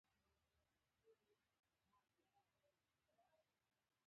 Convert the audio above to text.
سیاسي مرکزیت د استبداد رامنځته کېدو ته لار هواروي.